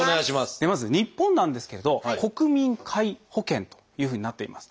ではまず日本なんですけれど「国民皆保険」というふうになっています。